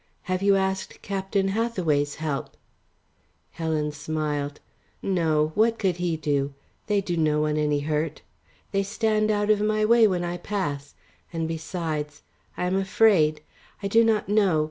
"Have you asked Captain Hathaway's help?" Helen smiled. "No. What could he do? They do no one any hurt. They stand out of my way when I pass. And besides I am afraid. I do not know.